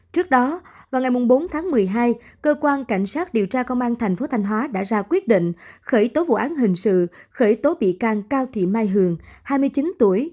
trước đó vào ngày bốn tháng một mươi hai cơ quan cảnh sát điều tra công an thành phố thanh hóa đã ra quyết định khởi tố vụ án hình sự khởi tố bị can cao thị mai hường hai mươi chín tuổi